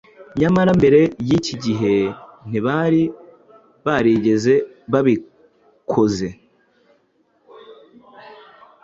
Nyamara mbere y’iki gihe ntibari barigeze babikoze